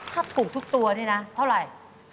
ถ้าปลูกทุกตัวนี่นะเท่าไหร่